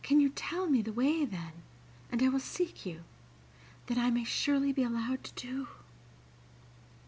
"Can you tell me the way then, and I will seek you that I may surely be allowed to do!"